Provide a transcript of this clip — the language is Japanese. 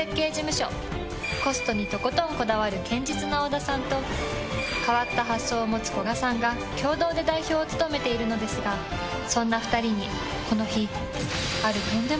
コストにとことんこだわる堅実な小田さんと変わった発想を持つ古賀さんが共同で代表を務めているのですがそんな２人にこの日。